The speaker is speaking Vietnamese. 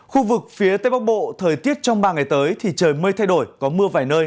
khu vực phía tây bắc bộ thời tiết trong ba ngày tới thì trời mây thay đổi có mưa vài nơi